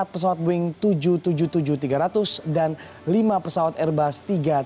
empat pesawat boeing tujuh ratus tujuh puluh tujuh tiga ratus dan lima pesawat airbus tiga ratus tiga puluh